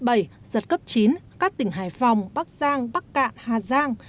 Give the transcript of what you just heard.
trong ngày một mươi bảy chín các tỉnh hải phòng bắc giang bắc cạn hà giang